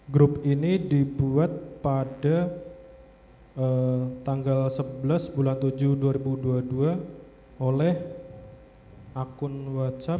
grup ini dibuat pada tanggal sebelas bulan tujuh dua ribu dua puluh dua oleh akun whatsapp